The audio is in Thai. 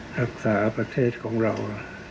รักษาประเทศของเรา